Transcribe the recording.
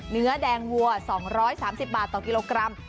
เนื้อแดงวัว๒๓๐บาทต่อกิโลกรัม